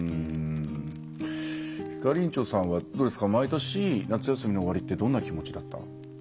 ひかりんちょさんは、どうですか毎年、夏休みの終わりってどんな気持ちだった？